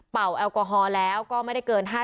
เป่าแอลกอฮอล์แล้วก็ไม่ได้เกิน